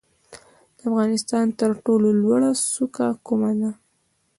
د افغانستان تر ټولو لوړه څوکه کومه ده؟